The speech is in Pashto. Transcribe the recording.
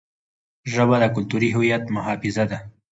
ژبه د کلتوري هویت محافظه ده.